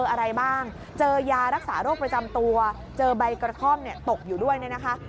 อะไรบ้างเจอยารักษาโรคประจำตัวเจอใบกระท่อมตกอยู่ด้วยเนี่ยนะคะ